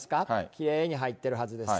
きれいに入ってるはずです。